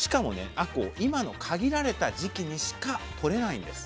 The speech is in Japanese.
あこう今の限られた時期にしかとれないんです。